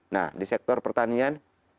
nah di sektor pertanian